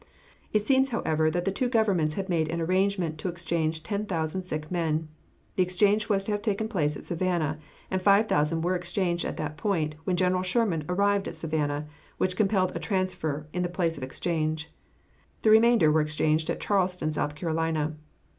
It seems, however, that the two governments had made an arrangement to exchange ten thousand sick men. The exchange was to have taken place at Savannah, and five thousand were exchanged at that point, when General Sherman arrived at Savannah, which compelled a transfer in the place of exchange. The remainder were exchanged at Charleston, South Carolina.